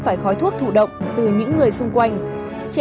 phải khói thuốc thủ động từ những người xung quanh